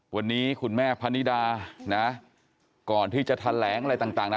นั่นเลยคุณแม่เพิ่งรู้ว่าลูกหาย